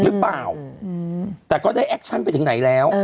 หรือเปล่าแต่ก็ได้แอคชั่นไปถึงไหนแล้ว